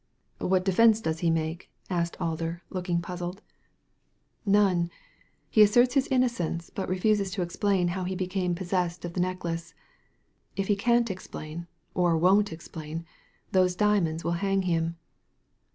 "What defence does he make?" asked Alder, looking puzzled. Digitized by Google A SURPRISING DISCOVERY 143 " None. He asserts his innocence, but refuses to explain how he became possessed of the necklace. If he can't explain, or won't explain, those diamonds will hang him."